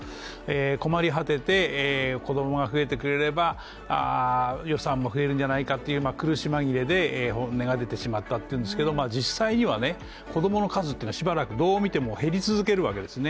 困り果てて子供が増えてくれれば予算も増えるんじゃないかという苦し紛れで本音が出てしまったんですが実際には子供の数というのはどう見てもしばらく減り続けるわけですね。